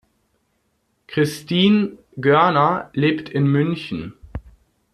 Christine Görner lebt in München.